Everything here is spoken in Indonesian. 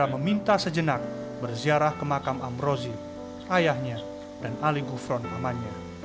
kita sejenak berziarah ke makam amrozi ayahnya dan aliku front amannya